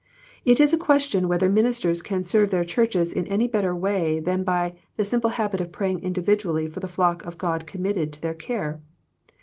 It is a question whether ministers can serve their churches in any better way than by the simple habit of praying individually for the flock of God committed to their care.